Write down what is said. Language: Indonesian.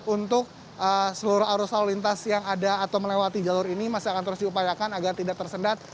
untuk seluruh arus lalu lintas yang ada atau melewati jalur ini masih akan terus diupayakan agar tidak tersendat